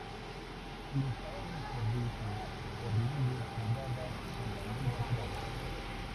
El Estado se rige por leyes fundadas en la ley natural.